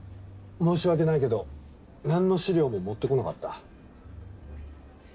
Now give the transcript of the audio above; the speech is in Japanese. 申し訳ないけど何の資料も持ってこなかった。